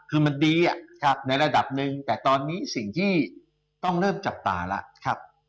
คือมันดีในระดับหนึ่งแต่ตอนนี้สิ่งที่ต้องเริ่มจับตาแล้ว